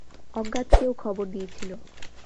অজ্ঞাত কেউ খবর দিয়েছিল।